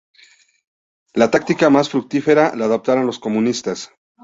La táctica más fructífera la adoptaron los comunistas.